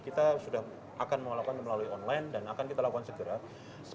kita sudah akan melakukan melalui online dan akan kita lakukan segera